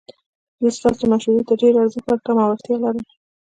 زه ستاسو مشورې ته ډیر ارزښت ورکوم او اړتیا لرم